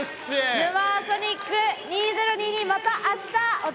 「ヌマーソニック２０２２」またあしたお楽しみに。